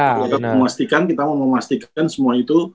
untuk memastikan kita mau memastikan semua itu